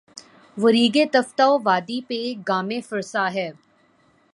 وہ ریگِ تفتۂ وادی پہ گام فرسا ہے